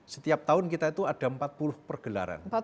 setiap tahun kita itu ada empat puluh pergelaran